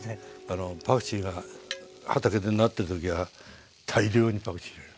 パクチーが畑でなってる時は大量にパクチー入れる。